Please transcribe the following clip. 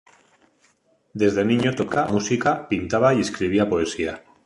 Desde niño tocaba música, pintaba y escribía poesía.